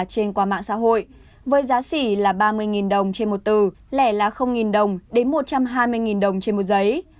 trên qua mạng xã hội với giá xỉ là ba mươi đồng trên một từ lẻ là đồng đến một trăm hai mươi đồng trên một giấy